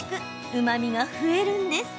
うまみが増えるんです。